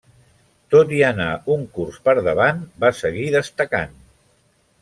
Tot i anar un curs per davant, va seguir destacant.